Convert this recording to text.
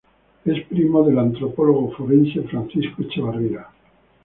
Es primo del antropólogo forense Francisco Etxeberria.